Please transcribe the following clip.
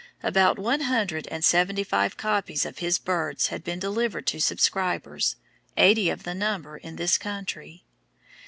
About one hundred and seventy five copies of his "Birds" had been delivered to subscribers, eighty of the number in this country.